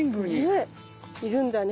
ねいるんだね。